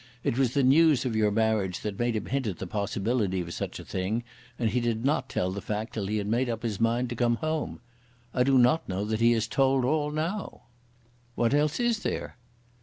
It was the news of your marriage that made him hint at the possibility of such a thing; and he did not tell the fact till he had made up his mind to come home. I do not know that he has told all now." "What else is there?"